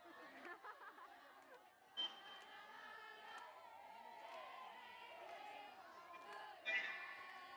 a magombano magombano kila wakati